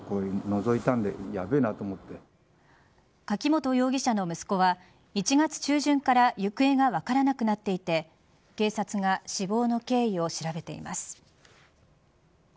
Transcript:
柿本容疑者の息子は１月中旬から行方が分からなくなっていて警察が死亡の経緯を調べています。